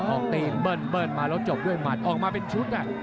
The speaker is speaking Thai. ออกตีนเบิ้ลเบิ้ลมาแล้วจบด้วยหมัดออกมาเป็นชุดน่ะ